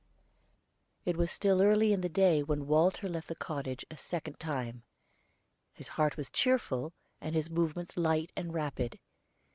_ It was still early in the day when Walter left the cottage a second time. His heart was cheerful, and his movements light and rapid.